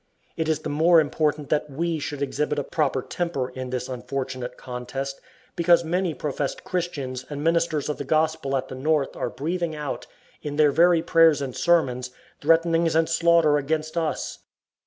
It is the more important that we should exhibit a proper temper in this unfortunate contest, because many professed Christians and ministers of the gospel at the North are breathing out, in their very prayers and sermons, threatenings and slaughter against us.